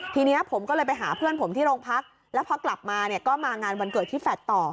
ทีนี้ผมก็เลยไปหาเพื่อนผมที่โรงพักแล้วพอกลับมาเนี่ยก็มางานวันเกิดที่แฟลตต่อ